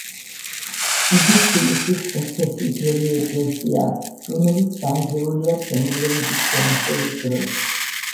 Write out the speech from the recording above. იგი თბილისის ერთ-ერთი ძველი ეკლესიაა, რომელიც დანგრეულია თემურლენგის შემოსევის დროს.